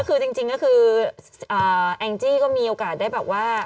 คือจริงก็คือแองจี้ก็มีโอกาสได้แบบว่า